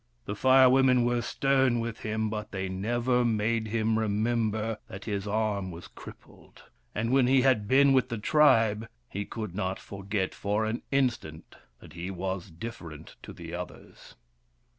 The Fire Women were stern with him, but they never made him remember that his arm was crippled — and when he had been with the tribe he could not forget for an instant that he was different to the others.